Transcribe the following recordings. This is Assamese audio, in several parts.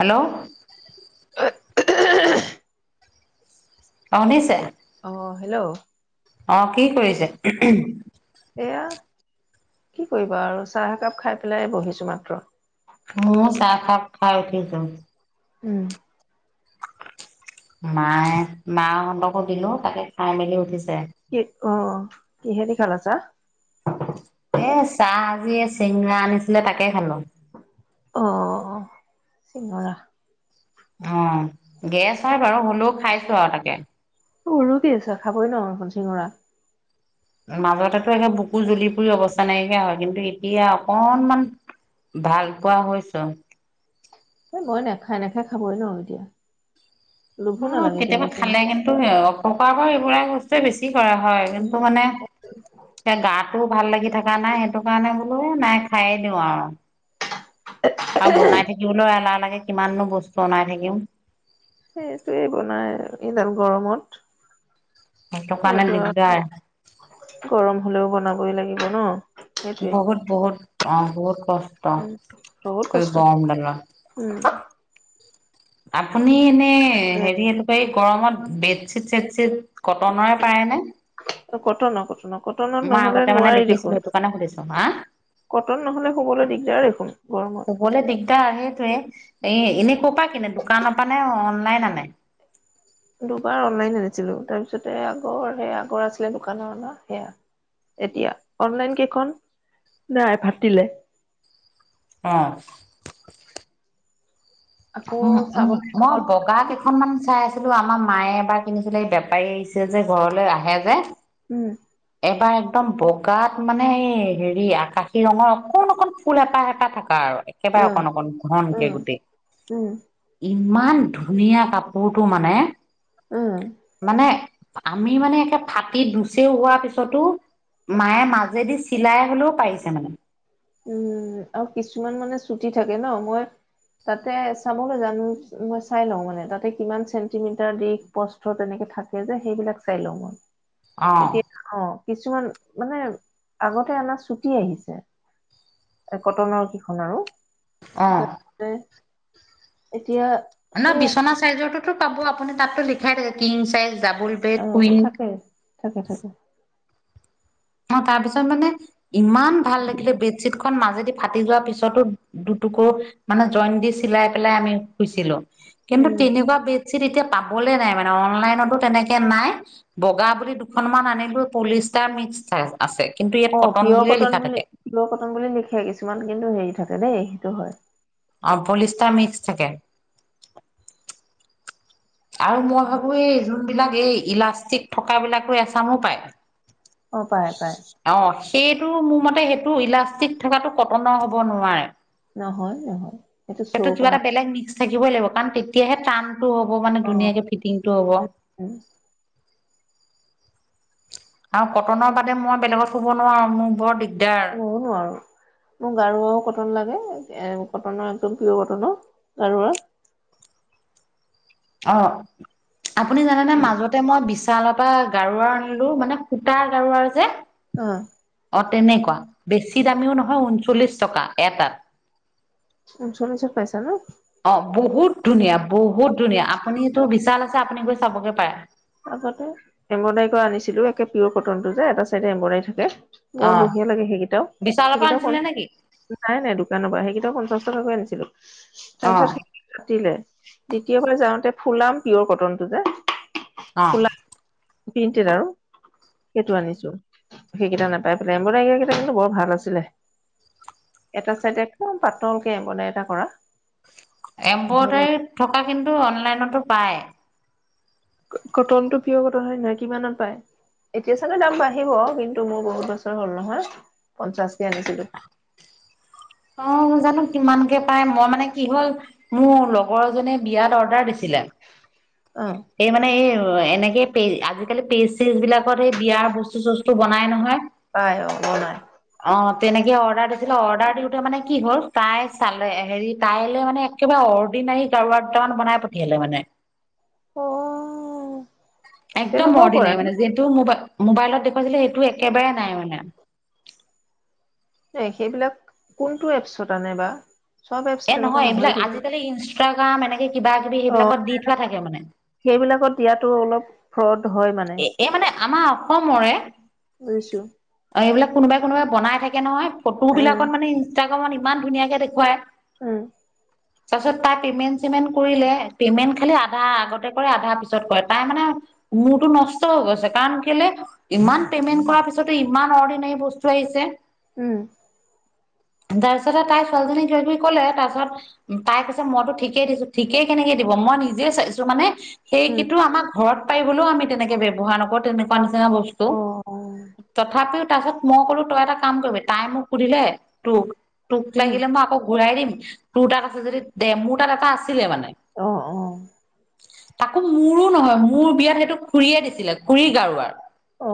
হেল্ল'। [unintelligible] অ', শুনিছে? অ', হেল্ল'। অ', কি কৰিছে? কি কৰিছ? এয়া, কি কৰিবা আৰু চাহ একাপ খাই পেলাই বহিছো মাত্ৰ। ময়ো চাহ কাপ খাই উঠিছো। উম। মায়ে মাহঁতকো দিলো, তাকে খাই মেলি উঠিছে। কি, অ', কিহেদি খালা চাহ? এ চাহ আজি চিঙৰা আনিছিলে, তাকে খালো। অ', অ', অ', চিঙৰা। অ', গেছ হয় বাৰু, হ'লেও খাইছো আৰু তাকে। উৰু কি আছা, খাবই ন [unintelligible] চিঙৰা। মাজতেটো একে বুকু জ্বলি পুৰি অৱস্থা নাইকিয়া হয়, কিন্তু এতিয়া অকনমান। ভাল পোৱা হৈছো। এই মই নেখা নেখাই খাবই নোৱাৰো এতিয়া। লোভো অ', নালাগে এতিয়া কেতিয়াবা অৱশ্যে খালে মোক কিন্তু এ, অপকাৰ কৰে এইবিলাক বস্তুৱে বেছি কৰা হয়। কিন্তু উম মানে। তিয়া গাটোও ভাল লাগি থাকা নাই সেইটো কাৰণে বোলো এ নাই খায়ে দিওঁ আৰু। আৰু বনাই থাকিবলৈ এলাহ লাগে, কিমাননো বস্তু অনাই থাকিম। সেইটোৱে বনাই এইডাল গৰমত সেইটো কাৰণে মইতো দিগদাৰ আৰু গৰম হলেও বনাবই লাগিব ন। সেইটোৱে বহুত, বহুত, অ', বহুত কষ্ট, উম বহুত এই কষ্ট গৰম দালত। উম। আপুনি এনে হেৰি এইটো এই গৰমত বেডশ্বীট ছেডশ্বীট, কটনৰে পাৰে নে? কটন, কটন, কটনত মই নহলে আগতে মানে নোৱাৰি দেখিছিলো দেখোন। সেইটো কাৰণে সুধিছো হা কটন নহ'লে শুবলৈ দিগদাৰ দেখোন গৰমত। শু'বলৈ দিগদাৰ সেইটোৱে এ এনেই ক'ৰপৰা কিনে দোকানৰ পৰা নে অনলাইন আনে? দুবাৰ অনলাইন আনিছিলোঁ, তাৰপিছতে আকৌ সেই আগৰ আছিলে দোকানৰ অনা সেইয়া। এতিয়া অনলাইন কেইখন নাই ফাতিলে। অ' আকৌ চাবলৈ [unintelligible] মই গ'ল বগা কেইখনমান চাই আছিলোঁ, আমাৰ মায়ে এবাৰ কিনিছিলে এই বেপাৰী আহিছে যে ঘৰলৈ আহে যে। উম' এবাৰ একদম বগাত মানে এই হেৰি আকাশী ৰঙৰ অকণ-অকণ ফুল এপাহ-এপাহ থকা আৰু। একেবাৰে উম অকণ-অকণ ঘনকে উম গোটেই। উম ইমান ধুনীয়া কাপোৰটো মানে উম' মানে আমি মানে একে ফাটি দুুচেও হোৱা পিছ পিছতো মায়ে মাজেদি চিলাই হ'লেও পাৰিছে মানে। উম' আৰু কিছুমান মানে ছুটি থাকে ন মই তাতে চাবলৈ জানোঁ, মই চাই লওঁ মানে তাতে কিমান চেণ্টিমিটাৰ দীঘ প্ৰস্হ তেনেকে থাকে যে, সেইবিলাক চাই লওঁ মই। অ তেতিয়া অ' কিছুমান মানে আগতে আনা ছুটি আহিছে। এই কটনৰ কিখন আৰু। অ' উম' এতিয়া আপোনাৰ সেই বিচনা চাইজৰ টোতো পাব আপুনি তাতটো লিখাই থাকে কিং চাইজ ডাব অ' থাকে, থাকে, থাকে। অ' তাৰ পিছত মানে ইমান ভাল লাগিলে বেড চিট খন মাজেদি ফাটি যোৱা পিছতো দুটুকো মানে জইন দি চিলাই পেলাই আমি শুইছিলোঁ। কিন্তু উম। তেনেকুৱা বেডশ্বীট এতিয়া পাবলে নাই মানে অনলাইনতো তেনেকে নাই। বগা বুলি দুখনমান আনিলোঁ পলিয়েষ্টাৰ মিক্স আছে, কিন্তু ইয়াত কটন বুলিয়ে লিখা থাকে। প্ৰিয়ৰ কটন বুলি লিখে কিছুমান কিন্তু হেৰি থাকে দেই সেইটো হয়। অ' পলিষ্টাৰ মিক্স থাকে। আৰু মই ভাবোঁ এই যোনবিলাক এই ইলাষ্টিক থকা বিলাকো এচামো পায়। অ' পায়-পায়। অ' সেইটো মোৰ মতে সেইটো ইলাষ্টিক থকাটো কটনৰ হ'ব নোৱাৰে। নহয় নহয় এইটো সেইটো শ্বোৰ কিবা কাৰণ। এটা বেলেগ মিক্স থাকিবই লাগিব কাৰণ তেতিয়াহে টানটো হ'ব মানে অ' ধুনীয়াকে ফিটিংটো হ'ব। উম' আৰু কটনৰ বাদে মই বেলেগত শুব নোৱাৰো, মোৰ বৰ দিগ মইয়ো নোৱাৰো। মোৰ গাৰুৰো কটন লাগে এ কটনৰ একদম প্ৰিয়ৰ কটনৰ গাৰুৱাৰ। অ' আপুনি জানেনে মাজত তাতে মই বিশালৰ পৰা গাৰুৱাৰ আনিলোঁ মানে সূতাৰ গাৰুৱাৰ যে অ' অ' তেনেকুৱা বেছি দামীও নহয় ঊনচল্লিশ টকা এটাত। ঊঞ্চচল্লিত পাইছে ন? অ' বহুত ধুনীয়া, বহুত ধুনীয়া, আপুনিতো বিশাল আছে আপুনি গৈ চাবগে পাৰে। আগতে এম্ব্ৰইডাৰী কৰা আনিছিলো, একে পিয়ৰ কটনটো যে এটা চাইডে এম্ব্ৰইডাৰী থাকে। বৰ অ' বঢ়িয়া লাগে সেইকেইটাও, বিশালৰ পৰা সেইকেইটাও কন আনিছিলে নেকি? নাই নাই দোকানৰ পৰা সেইকেইটা পঞ্চাশ টকাকৈ আনিছিলো, তাৰ অ' পিছত ফাটিলে, দ্বিতীয় বাৰ যাওঁতে ফুলাম পিয়ৰ কটনটো যে,। অ' ফুলা প্ৰিণ্টেড আও। সেইটো আনিছো, সেইকেইটা নাপাই পেলাই এম্প্ৰদাই কেইটা কিন্তু বৰ ভাল আছিলে। এটা চাইদে একদম পাতলকে এম্ব্ৰইডাৰী এটা কৰা। বঢ়িয়া লাগে এম্প্ৰদাই থকা কিন্তু অনলাইনতো পায়। কটনটো পিয়ৰ কটন হয় নহয় কিমানত পায়? এতিয়া চাগে দাম বাঢ়িব, কিন্তু মোৰ বহুত বছৰ হল নহয় পঞ্চাশকে আনিছিলো। অঁ জানো কিমানকে পাই মই মানে কি হ'ল মোৰ ল গৰ জনে বিয়াত অৰ্ডাৰ দিছিলে। অ এই মানে এই এনেকে পে আজিকালি পেষ্টিজ বিলাকত এই বিয়াৰ বস্তু চস্তু বনাই নহয়। পায় অঁ বনাই। অঁ তেনেকে অৰ্ডাৰ দিখিলে অৰ্ডাৰ দিওঁ যে মানে কি হ'ল তাই চালে হেৰি তাইলে মানে একেবাৰে অৰ্ডিনাৰী গাৰোৱাৰ দুটামান বনাই পঠিয়ালে মানে। [inaudible] একদম তেনেকুৱাও কৰে ন অৰ্ডিনেৰী মানে যো টো মোবাই মোবাইলত দেখুৱাইছিলে সেইটো একেবাৰে নাই মানে। এ সেইবিলাক কোনটো এপচত আনে বা। চব এপছ এ তেনেকুৱা নহয় এইবিলাক কিন্তু আজিকালি ইনষ্টাগ্ৰাম এনেকে কিবা কিবি অ সেইবিলাকত দি থোৱা থাকে মানে। সেইবিলাকত দিয়াতো অলপ ফ্ৰড হয় মানে। এ এ মানে আমাৰ অসমৰে। বুজিছো। অ এইবিলাক কোনোবাই কোনোবাই বনাই থাকে নহয় ফটো উম বিলাকত মানে ইনষ্টাগ্ৰামত ইমান ধুনীয়াকে দেখুৱায়। উম। তাৰ পিছত তাই পেমেণ্ট চেমেণ্ট কৰিলে, পেমেণ্ট খালি আধা আগতে কৰে আধা পিছত কৰে তাই মানে মূৰটো নষ্ট হৈ গৈছে, কাৰণ কেলে ইমান পেমেন্ট কৰাৰ পিছতো ইমান অৰ্ডিনেৰী বস্তু আহিছে। উম। তাৰ পিছতে তাই ছোৱালীজনীক কিবাকিবি কলে, তাৰ পিছত তাই কৈছে মইতো ঠিকেই দিছো, ঠিকেই কেনেকে দিব মই নিজে চাইছো মানে উম সেইকিতো আমাৰ ঘৰত পাৰিবলৈও আমি তেনেকে ব্যৱহাৰ নকৰো তেনে -কুৱা নিচিনা বস্তু, অ অ তথাপিও তাৰপাছত মই কলো তই এটা কাম কৰিবি, তাই মোক সুধিলে তোক তোক উম লাগিলে মই আকৌ ঘূৰাই দিম, তোৰ তাত আছে যদি দে মোৰ তাত এটা আছিলে মানে। অঁ অ। তাকো মোৰো নহয় মোৰ বিয়াত সেইটো খুৰীয়ে দিছিলে খুৰীৰ গাৰু ওৱাৰ। অ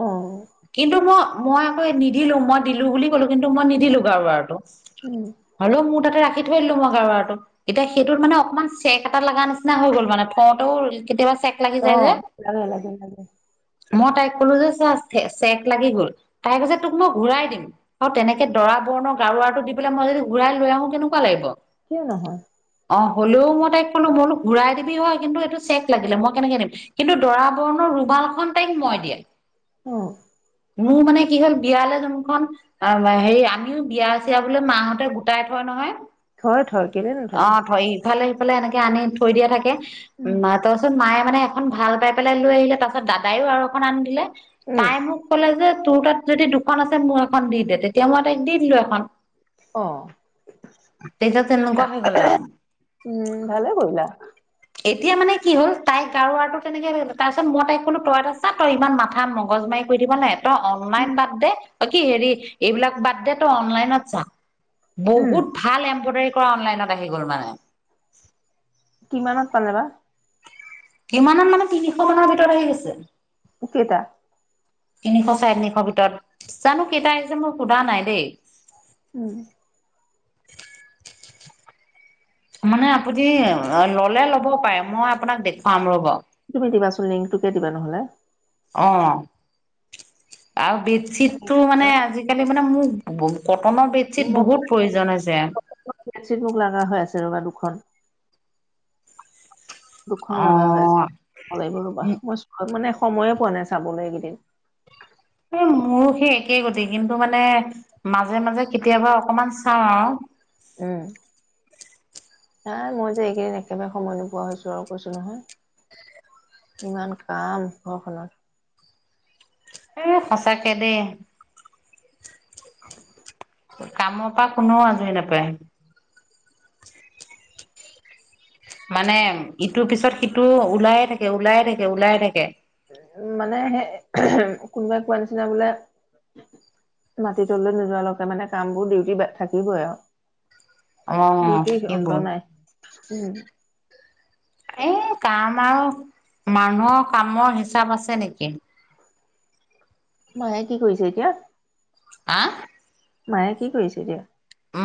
কিন্তু মই মই আক নিদিলো মই দিলো বুলি ক'লো কিন্তু মই নিদিলো গাৰু উৱাৰটো। উম হলেও মোৰ তাতে ৰাখি থৈ দিলো মই গাৰু উৱাৰটো। এতিয়া সেইটোত মানে অকণমান চেক এটা লগা নিচিনা হৈ গ'ল, মানে থওঁতেও কেতিয়াবা চেক লাগি যায় অঁ, যে লাগে লাগে লাগে মই তাইক কলো যে চা চেক লাগি গল, তাই কৈছে তোক মই ঘূৰাই দিম। আৰু তেনেকে দৰা বৰণৰ গাৰু ওৱাৰটো দি পেলাই মই যদি ঘূৰাই লৈ আহো কেনেকুৱা লাগিব। কিয় নহয়! অ', হ'লেও মই তাইক ক'লো মই বোলো ঘূৰাই দিবি হয়, কিন্তু এইটো চেফ লাগিলে, মই কেনেকে দিম। কিন্তু দৰা বৰণৰ ৰুমালখন তাইক মই দিয়া। অ'। মোৰ মানে কি হ'ল বিয়ালৈ যোনখন হেৰি আমিও বিয়া চিয়া বোলে মাহঁতে গোটাই থয় নহয়। থয় থয় কেলে নথয় অ', ধৰি ইফালে সিফালে এনেকে আনি থৈ দিয়া থাকে। উম তাৰপাছত মায়ে মানে এখন ভাল পাই পেলাই লৈ আহিলে, তাৰপাছত দাদাইও আৰু এখন আনি দিলে। উম তাই মোক ক'লে যে তোৰ তাত যদি দুখন আছে, মোক এখন দি দে। তেতিয়া মই তাইক দি দিলোঁ এখন। অ', তেতিয়া তেনেকুৱা হৈ গ'ল আৰু উম, ভালে কৰিলা। এতিয়া মানে কি হ'ল তাইক গাৰুৱাৰটো তেনেকে তাৰপিছত মই তাইক ক'লো, তই এটা আছা তই ইমান মাথা মগজ মাৰি কৈ থাকিব নালাগে, অনলাইন বাদ দে কি হেৰি এইবিলাক বাদ দে, তই অনলাইন [unintelligible] উম বহুত ভাল এম্ব্ৰইডাৰী কৰা অনলাইনত আহি গ'ল মানে। কিমানত পালে বা? কিমানত মানে, তিনিশ মানৰ ভিতৰত আহি গৈছে। [unintelligible] কেইটা? তিনিশ চাৰি তিনিশৰ ভিতৰত। জানো কেইটা আহিছে মই সোধা নাই দেই। উম। তাৰমানে আপুনি ল'লে ল'ব পাৰে, মই আপোনাক দেখুৱাম ৰ'ব। তুমি দিবাচোন, লিংকটোকে দিবা নহ'লে! অ', আৰু বেডশ্বিটটো মানে আজিকালি মানে মোক কটনৰ বেডশ্বীট মই বহুত প্ৰয়োজন হৈছে। বেডশ্বীট মোক লগা হৈ আছে ৰ'বা দুখন। দুখখন অ লগা হৈ আছে, চাব লাগিব ৰ'বা। মই চা মানে সময়ে পোৱা নাই চাবলৈ এইকেইদিন। এই মোৰো সেই একেই গতি। কিন্তু মানে মাজে মাজে কেতিয়াবা অকমান চাওঁ আৰু। উম। নাই মই যে এইকেইদিন একেবাৰে সময় নোপোৱা হৈছোঁ আৰু কৈছোঁ নহয়। ইমান কাম ঘৰখনত। এই সঁচাকে দেই। [inaudible] কামৰ পৰা কোনেও আজৰি নাপায়। মানে ইটোৰ পিছত সিটো ওলায়ে থাকে, ওলায়ে থাকে, ওলাইে থাকে। মানে সেই কোনোবাই কোৱা নিচিনা বোলে মাটি তললৈ নোযোৱালৈকে মানে কাম বোৰ ডিউটি থাকিবই আৰু। অ ডিউটি অন্ত থাকিবই নাই, উম। এই কাম আৰু মানুহৰ কামৰ হিচাপ আছে নেকি। [unintelligible] কি কৰিছে এতিয়া? আ? মায়ে কি কৰিছে এতিয়া?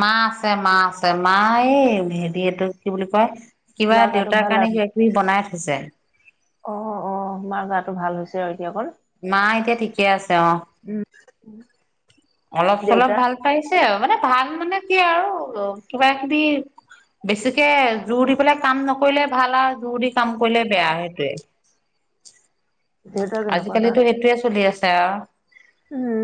মা আছে, মা আছে। মা এই হেৰি এইটো কি বুলি কয় কিবা মাৰ গাটো দেউতাৰ ভাল কাৰণে আৰু কিবা কিবি বনাই থৈছে। অ', অ', মাৰ গাটো ভাল হৈছে আৰু এতিয়া অকণ? মা এতিয়া ঠিকে আছে অ'। [inaudible] অলপ চলপ দেউতাৰ ভাল পাইছে আৰু। মানে ভাল মানে কি আৰু কিবা কিবি বেছিকে জোৰ দি পেলাই কাম নকৰিলে ভাল আৰু, জোৰ দি কাম কৰিলে বেয়া আৰু সেইটোয়ে। দেউতাৰ কেনেকুৱা আজিকালিতো সেইটোয়ে চলি আছে আও। উ।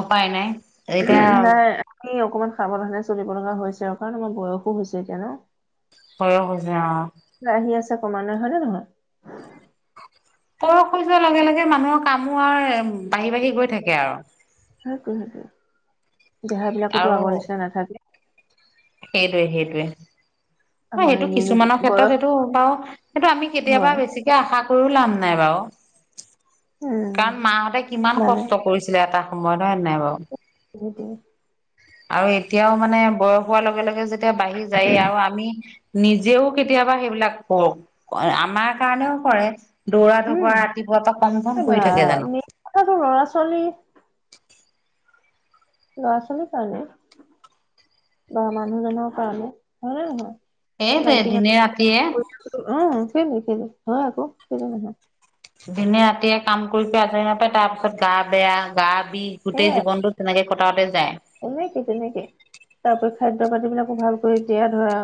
অপায় নাই। এতিয়া নাই, আমি অকমান সাৱধানে চলিব লগা হৈছে আৰু, কাৰণ আমাৰ বয়সো হৈছে এতিয়া ন। বয়স হৈছে অ'। আহি আছে ক্ৰমান্বয়ে হয় নে নহয়? বয়স হৈ যোৱাৰ লগে লগে মানুহৰ কামো আৰু বাঢ়ি বাঢ়ি গৈ থাকে আৰু। সেটোৱে, সেটোৱে। দেহাবিলাকোটো আৰু আগৰ নিচিনা নাথাকে। সেইটোৱে, সেইটোৱে। অ', আমাৰ সেইটো ইমিউনিটি কিছুমানৰ ক্ষেত্ৰত বয়স সেইটো বাৰু সেইটো আমি কেতিয়াবা হয় বেছিকে আশা কৰিও লাভ নাই বাৰু। উম কাৰণ মাহঁতে কিমান মানে কষ্ট কৰিছিলে এটা সময়ত হয় নাই বাৰু। সেইটোৱেই। আৰু এতিয়াও মানে বয়স হোৱাৰ লগে লগে যেতিয়া বাঢ়ি যায়েই আৰু আমি নিজেও কেতিয়াবা সেইবিলাক কৰক, আমাৰ কাৰণেও কৰে। দৌৰা ধপৰা ৰাতিপুৱাৰ পৰা কমখন। অ', মেইন কথাটো ল'ৰা-ছোৱালী ল'ৰা-ছোৱালীৰ কাৰণে, বা মানুহজনৰ কাৰণে, হয় নে নহয়? এই যে, মাইকী দিনে ৰাতিয়ে। মানুহ অ', কেলেই কেলেই, হয় আকৌ। কেলেই নহয়। দিনে ৰাতিয়ে কাম কৰি কৰি আজৰি নাপায়, তাৰ পিছত গা বেয়া, গা বিষ, গোটেই জীৱনটোত তেনেকে কটাওঁতে যায়। এনেকে, তেনেকে। তাৰপৰি খাদ্য পাতি বিলাকো ভাল কৰি দিয়া ধৰা।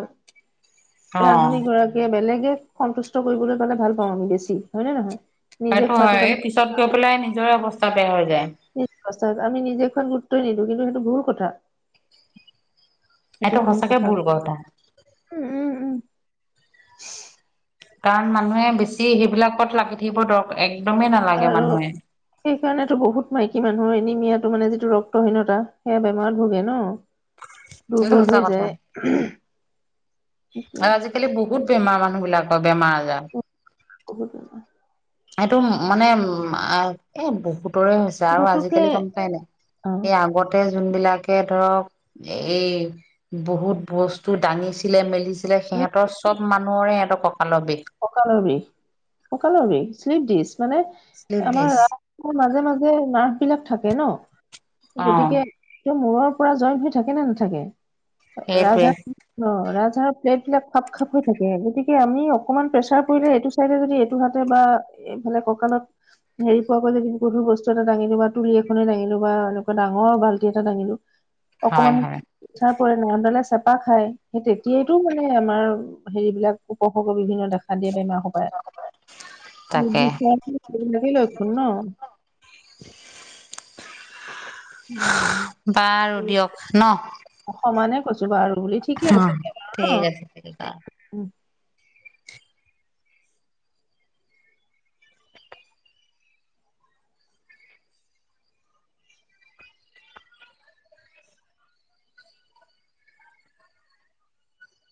অ ৰান্ধনী গৰাকীয়ে বেলেগে সন্তুষ্ট কৰিবলৈ গলে ভাল পাওঁ আমি বেছি, হয়নে নহয়? নিজে সেটো খোৱাটোত হয়, আমি পিছত গৈ পেলাই নিজৰে অৱস্থা বেয়া হৈ যায়। [unintelligible] আমি নিজেখন গুৰুত্বই নিদিওঁ, কিন্তু সেইটো ভুল কথা। এইটো সঁচাকে ভুল কথা। উম উম উম। কাৰণ মানুহে বেছি সেইবিলাকত লাগি থাকিব দৰকাৰ, একদমেই নালাগে আৰু মানুহে। সেইকাৰণেতো বহুত মাইকী মানুহৰ এনিমিয়াটো, মানে যিটো ৰক্তহীনতা সেয়া বেমাৰত ভোগে ন। এইটো দুৰ্বল সঁচা হৈ কথা যায়। আৰু সেইটোৱেই। আজিকালি বহুত বেমাৰ মানুহ বিলাকৰ, বেমাৰ আজাৰ। ক'ব [unintelligible] এইটো মানে উম, এ, বহুতৰে হৈছে। আৰু গতিকে আজিকালি গম পাই নাই, অ', হে আগত তে, যোনবিলাকে ধৰক, এই বহুত বস্তু দাঙিছিলে মেলিছিলে সেইবিলাক, উম সিহঁতৰ চব মানুহৰে সিহঁতৰ কঁকালৰ বিষ। ককালৰ বিষ, ককালৰবিষ শ্লিপদিছ, মানে শ্লিপ আমাৰ দিছ [unintelligible] মাজে মাজে নাৰ্ভ বিলাক থাকে ন, অ গতিকে তো মূৰৰ পৰা জইন হৈ থাকে নে নাথাকে? সেইটোৱে ৰাজহাড় অ', ৰাজহাঁড়ৰৰ প্লেট বিলাক খাপ খাপ হৈ থাকে, গতিকে আমি অকমান প্ৰেছাৰ পৰিলে এইটো চাইডে যদি, এইটো হাতে বা এইফালে কঁকালত হেৰি, পোৱা পৰা যদি গধুৰ বস্তু এটা দঙিলো, বা তুলী এখনেই দাঙিলো, বা এনেকুৱা ডাঙৰ বাল্টি এটা দাঙিলো। হয় অকমান হয় চাৰ পৰে, নচডালে চেপা খায়, সেই তেতিয়াইটো মানে আমাৰ হেৰিবিলাক, উপভোগ [unintelligible] [unintelligible] [unintelligible] তাকে বিছনাত লৈ লয় ফোন ন'। উম বাৰু দিয়ক ন অ', সমানে কৈছোঁ বাৰু বুলি, ঠিকে আছে [unintelligible] ন। ঠিক আছে ঠিক আছে উম।